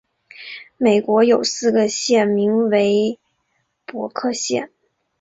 美国有四个县名为伯克县。